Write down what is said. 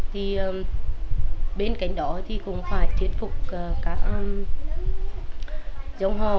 thì bên cạnh đó thì cũng phải thiết phục các dòng họ